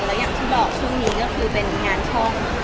แล้วจรอบช่วงนี้ก็เป็นงานช่อง